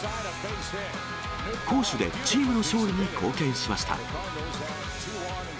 攻守でチームの勝利に貢献しました。